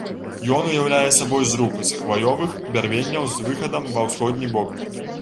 Ён уяўляе сабою зруб з хваёвых бярвенняў з выхадам ва ўсходні бок.